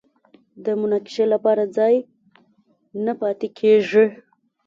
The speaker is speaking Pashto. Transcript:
د مناقشې لپاره ځای نه پاتې کېږي